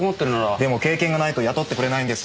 でも経験がないと雇ってくれないんです。